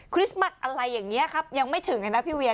คริสต์มัสอะไรอย่างนี้ครับยังไม่ถึงเลยนะพี่เวีย